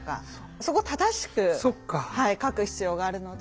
そこは正しく書く必要があるので。